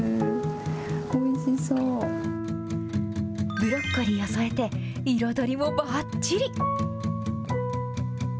ブロッコリーを添えて、彩りもばっちり。